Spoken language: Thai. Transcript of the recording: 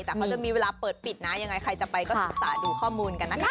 แต่เขาจะมีเวลาเปิดปิดนะยังไงใครจะไปก็ศึกษาดูข้อมูลกันนะคะ